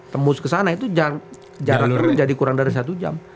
tembus ke sana itu jaraknya menjadi kurang dari satu jam